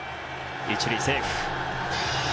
１塁、セーフ。